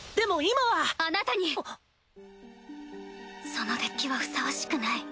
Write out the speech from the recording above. そのデッキはふさわしくない。